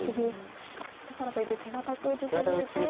だからといって手堅く打ち過ぎると。